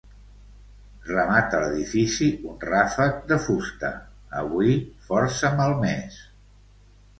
Remata l'edifici un ràfec de fusta, avui força malmès.